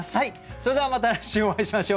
それではまた来週お会いしましょう。